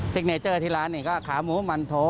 เนเจอร์ที่ร้านนี้ก็ขาหมูมันโถ